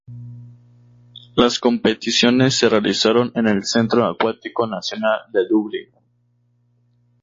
Las competiciones se realizaron en el Centro Acuático Nacional de Dublín.